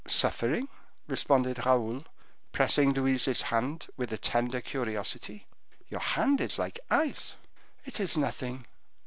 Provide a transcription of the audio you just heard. "Suffering?" responded Raoul, pressing Louise's hand with a tender curiosity. "Your hand is like ice." "It is nothing."